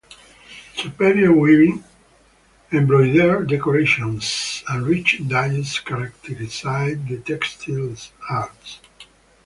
Superior weaving, embroidered decorations, and rich dyes characterized the textile arts.